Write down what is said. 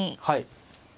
はい。